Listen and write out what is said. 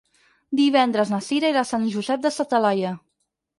Divendres na Cira irà a Sant Josep de sa Talaia.